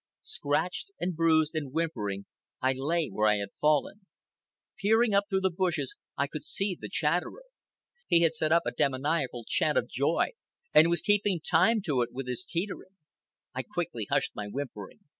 Scratched and bruised and whimpering, I lay where I had fallen. Peering up through the bushes, I could see the Chatterer. He had set up a demoniacal chant of joy and was keeping time to it with his teetering. I quickly hushed my whimpering.